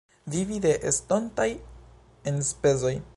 Vivi de estontaj enspezoj.